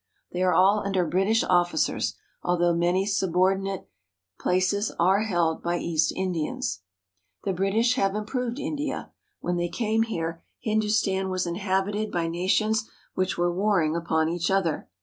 They are all under British officers, although many subordinate olaces are held by East Indians. The British h^^e improved India. When they came here Hindustan was inhabited by nations which were warring upon each other.